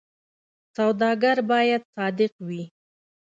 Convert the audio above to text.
سوداګر باید صادق وي